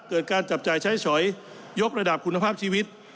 การจับจ่ายใช้ฉอยยกระดับคุณภาพชีวิต